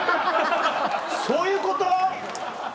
そういうこと？